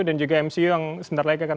dan juga mcu yang sebentar lagi akan